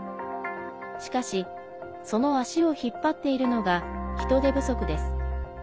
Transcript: しかし、その足を引っ張っているのが人手不足です。